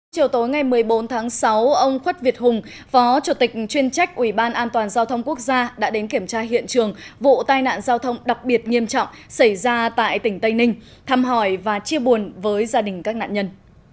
chiều tối ngày một mươi bốn tháng sáu ông khuất việt hùng phó chủ tịch chuyên trách ủy ban an toàn giao thông quốc gia đã đến kiểm tra hiện trường vụ tai nạn giao thông đặc biệt nghiêm trọng xảy ra tại tỉnh tây ninh thăm hỏi và chia buồn với gia đình các nạn nhân